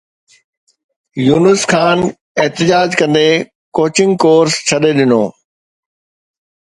يونس خان احتجاج ڪندي coaching course ڇڏي ڏنو